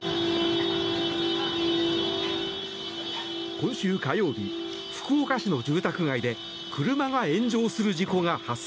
今週火曜日、福岡市の住宅街で車が炎上する事故が発生。